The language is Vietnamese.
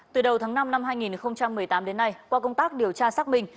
từ đầu tháng năm năm hai nghìn một mươi tám đến nay qua công tác điều tra xác minh